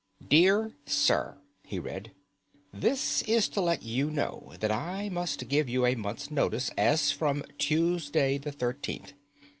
"Dear Sir," he read, "this is to let you know that I must give you a month's notice as from Tuesday the 13th.